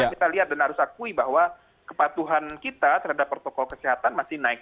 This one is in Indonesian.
kita lihat dan harus akui bahwa kepatuhan kita terhadap protokol kesehatan masih naik